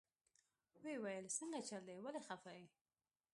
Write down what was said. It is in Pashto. ويې ويل سنګه چل دې ولې خفه يې.